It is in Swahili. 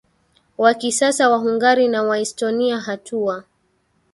wa kisasa Wahungari na Waestonia Hatua